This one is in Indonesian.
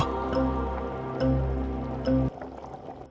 ketika dia menemukanmu aku akan menemukanmu